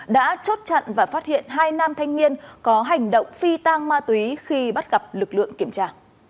đã chốt chặn và phát hiện hai nam thanh niên có hành động phi tang ma túy khi bắt gặp lực lượng kiểm tra